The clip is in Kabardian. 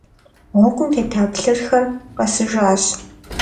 Гъуэгум тета плъырхэр къэсыжащ.